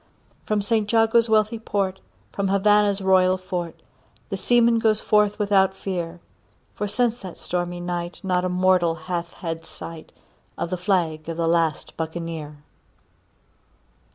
From St Jago's wealthy port, from Havannah's royal fort, The seaman goes forth without fear; For since that stormy night not a mortal hath had sight Of the flag of the last Buccaneer.